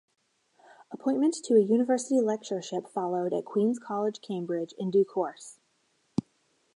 Appointment to a University Lectureship followed at Queen's College, Cambridge, in due course.